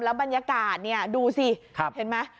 บรรยากาศเนี่ยดูสิเห็นไหม